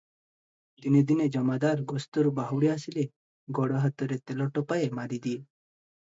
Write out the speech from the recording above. ଦିନେ ଦିନେ ଜମାଦାର ଗସ୍ତରୁ ବାହୁଡି ଆସିଲେ ଗୋଡ଼ ହାତରେ ତେଲ ଟୋପାଏ ମାରିଦିଏ ।